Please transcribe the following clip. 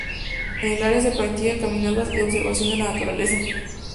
En el área se practican caminatas y observación de la naturaleza.